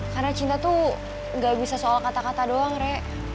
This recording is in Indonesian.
karena cinta tuh gak bisa soal kata kata doang re